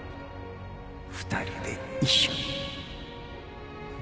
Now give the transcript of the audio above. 二人で一緒に。